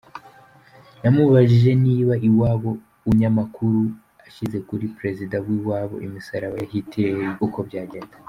Namubajije niba iwabo uunyamakuru ashyize kuri Perezida w’iwabo imisaraba ya Hitler, uko byagenda ?